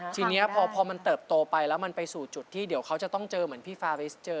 ทีนี้พอมันเติบโตไปแล้วมันไปสู่จุดที่เดี๋ยวเขาจะต้องเจอเหมือนพี่ฟาวิสเจอ